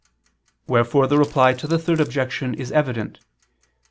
Wherefore the Reply to the Third Objection is evident.